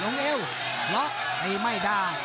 ลงเอวล็อกให้ไม่ได้